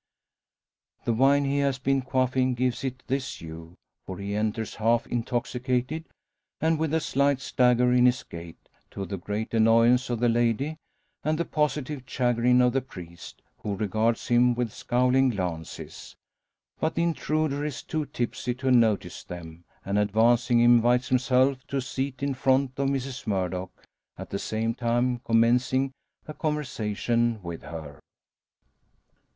The wine he has been quaffing gives it this hue; for he enters half intoxicated, and with a slight stagger in his gait; to the great annoyance of the lady, and the positive chagrin of the priest, who regards him with scowling glances. But the intruder is too tipsy to notice them; and advancing invites himself to a seat in front of Mrs Murdock, at the same time commencing a conversation with her.